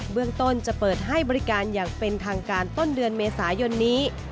เรื่องต้นจะเปิดให้บริการอย่างเป็นทางการต้นเดือนเมษายนนี้